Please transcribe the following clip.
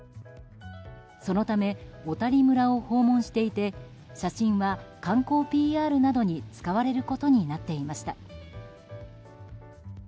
そのため小谷村を訪問していて写真は観光ＰＲなどに使われることになっていました。